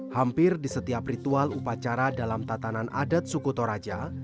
hampir di setiap ritual upacara dalam tatanan adat suku toraja